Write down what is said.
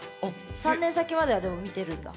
３年先まではでも見てるんだ。